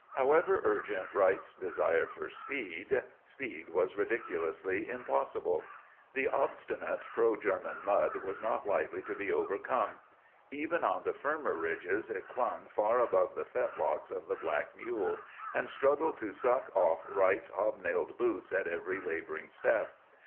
However urgent Wright's desire for speed, speed was ridiculously impossible. The obstinate pro German mud was not lightly to be overcome. Even on the firmer ridges it clung far above the fetlocks of the black mule, and struggled to suck off Wright's hobnailed boots at every labouring step.